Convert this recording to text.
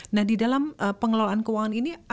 nah di dalam pengelolaan keuangan ini